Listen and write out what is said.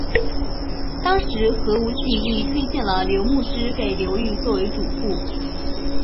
当时何无忌亦推荐了刘穆之给刘裕作为主簿。